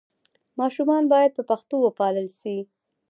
ماشومان باید په پښتو وپالل سي.